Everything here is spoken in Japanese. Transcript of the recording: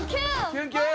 キュンキュン！